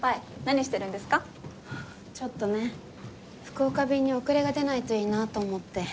福岡便に遅れが出ないといいなと思って。